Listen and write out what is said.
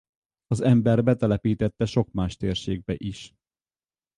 Az ember betelepítette sok más térségbe is.